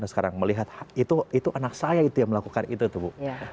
sekarang melihat itu anak saya itu yang melakukan itu tuh bu